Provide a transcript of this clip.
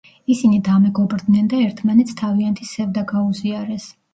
ისინი დამეგობრდნენ და ერთმანეთს თავიანთი სევდა გაუზიარეს.